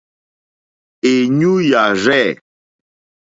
Èɲú yà rzɛ̂.